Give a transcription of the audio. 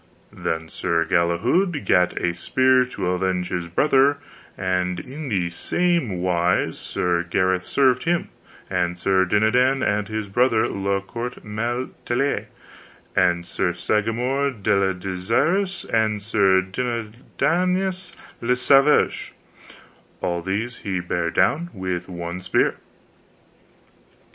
Then Sir Galihud gat a spear to avenge his brother, and in the same wise Sir Gareth served him, and Sir Dinadan and his brother La Cote Male Taile, and Sir Sagramore le Disirous, and Sir Dodinas le Savage; all these he bare down with one spear.